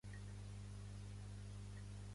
Pertany al moviment independentista la Flores?